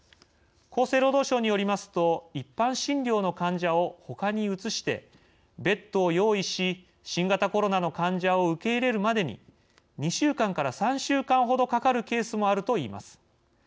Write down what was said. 厚生労働省によりますと一般診療の患者をほかに移してベッドを用意し新型コロナの患者を受け入れるまでに２週間から３週間ほどかかるケースもあるといいます。